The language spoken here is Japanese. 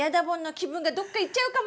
気分がどっかいっちゃうかも！